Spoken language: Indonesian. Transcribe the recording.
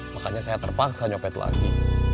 makanya saya terpaksa nyopet lagi